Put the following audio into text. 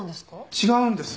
違うんです。